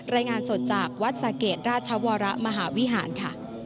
รายงานสดจากวัดสะเกดราชวรมหาวิหารค่ะ